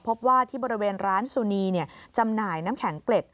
พบว่าที่บริเวณร้านสุนีจำหน่ายน้ำแข็งเกล็ด